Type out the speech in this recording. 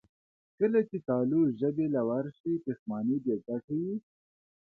کله چې تالو ژبې له ورشي، پښېماني بېګټې وي.